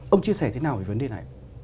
ông chia sẻ thế nào về vấn đề này